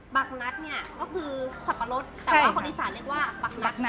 ักนัดเนี่ยก็คือสับปะรดแต่ว่าคนอีสานเรียกว่าบักนัดนะ